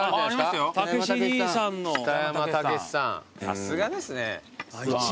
さすがですね。